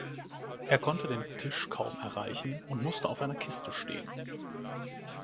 Er konnte den Tisch kaum erreichen und musste auf einer Kiste stehen.